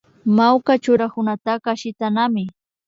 Mawka churanakunataka shitanami